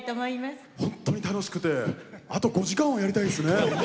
本当に楽しくてあと５時間はやりたいですね。